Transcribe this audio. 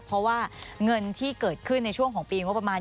เพราะว่าเงินที่เกิดขึ้นในช่วงของปีงบประมาณ